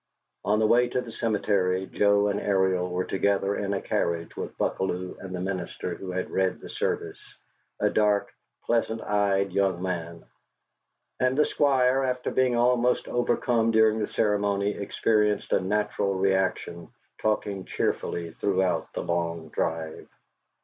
On the way to the cemetery, Joe and Ariel were together in a carriage with Buckalew and the minister who had read the service, a dark, pleasant eyed young man; and the Squire, after being almost overcome during the ceremony, experienced a natural reaction, talking cheerfully throughout the long drive.